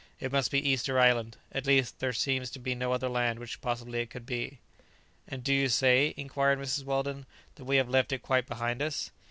It must be Easter Island. At least, there seems to be no other land which possibly it could be." "And do you say," inquired Mrs. Weldon, "that we have left it quite behind us?"